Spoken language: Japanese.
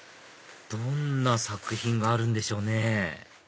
どんな作品があるんでしょうね